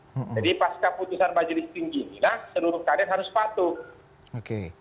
jadi pas keputusan majelis tinggi ini lah seluruh kader harus patuh